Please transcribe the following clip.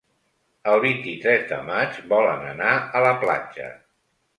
El vint-i-tres de maig volen anar a la platja.